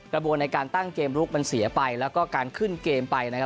บวนในการตั้งเกมลุกมันเสียไปแล้วก็การขึ้นเกมไปนะครับ